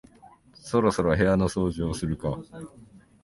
そろそろ部屋の掃除をするか